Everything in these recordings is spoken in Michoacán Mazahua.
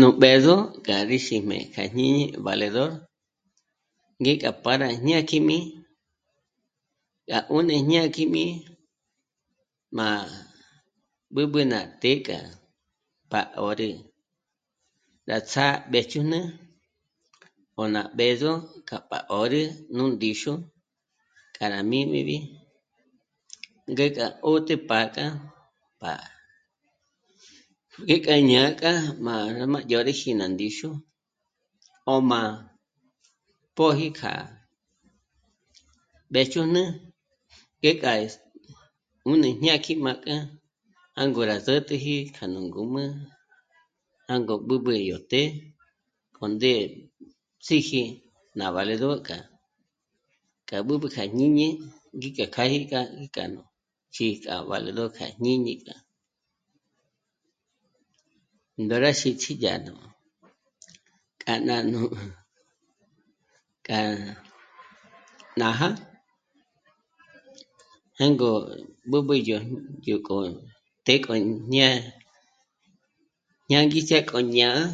Nú b'ë̌zo ká rí xiíjme kjá jñǐñi valedor ñěka pâra jñákjim'i rá 'ùni jñákjim'i má b'ǚb'ü ná të́'ë k'á pá 'òrü rá tsá'a mbéjchujn'ü 'òna b'ë̌zo k'a pá 'òrü nú ndíxu k'a rá mím'ibi ngék'a 'òtü pá'a k'a pá'a ngék'a ñáka má rá má dyórüjii ná ndíxu 'óm'a póji k'a mbéjchujn'ü ngék'a 'ùni jñákji má k'a jângo rá sä̌t'ä̌ji k'a nú ngǔm'ü jângo b'ǚb'ü yó të́'ë kó ndé síji ná valedor kjá, k'á b'ǚb'ü kja jñíñi ngék'a kjâji kjá k'a nú xík'a valedor kja jñíñi k'a ndére xích'i dyà nú k'a ná nú..., k'á nája jângo b'ǚb'ü yó, yó k'o, k'o ñá'a... ñângistjia k'o ñá'a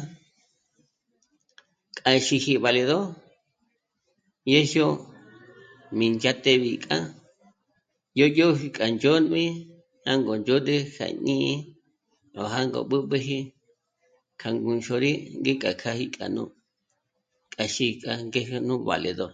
k'a í xíji valedor ñèzho mí ndzhá'a téb'i k'a yó yóji k'a ndzhòtb'i jángo ndzhôd'ü kja jñíñi o jângo b'ǚb'üji k'a ngúnxôri ngék'a k'âji k'a nú k'a xík'a ngéje nú valedor